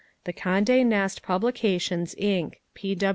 The Conde Nast Publications, Inc.